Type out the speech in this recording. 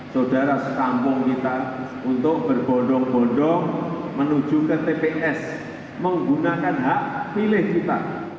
saudara sekampung kita untuk berbondong bondong menuju ke tps menggunakan hak pilih kita